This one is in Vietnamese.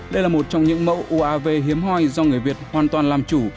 đây là một trong những mẫu uav hiếm hoi do người việt hoàn toàn làm chủ